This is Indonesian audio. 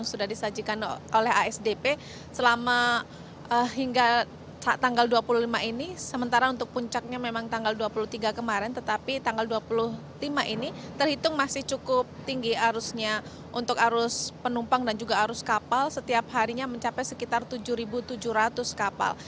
sementara untuk puncaknya memang tanggal dua puluh tiga kemarin tetapi tanggal dua puluh lima ini terhitung masih cukup tinggi arusnya untuk arus penumpang dan juga arus kapal setiap harinya mencapai sekitar tujuh tujuh ratus kapal